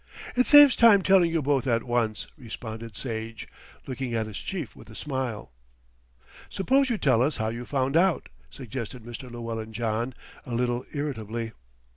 "It saves time telling you both at once," responded Sage, looking at his chief with a smile. "Suppose you tell us how you found out," suggested Mr. Llewellyn John a little irritably.